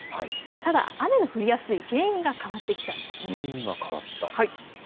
ただ、雨が降りやすい原因が変わってきたんです。